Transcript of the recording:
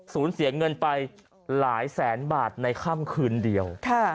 สูญเสียเงินไปหลายแสนบาทในค่ำคืนเดียว